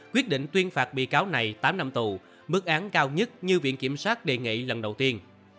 quyết định tuyên phạt bị cáo này tám năm tù mức án cao nhất như viện kiểm sát đề nghị lần đầu tiên